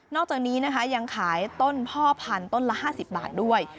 อกจากนี้นะคะยังขายต้นพ่อพันธุ์ต้นละ๕๐บาทด้วย